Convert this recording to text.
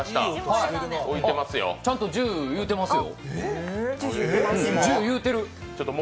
ちゃんとジューいうてますよ。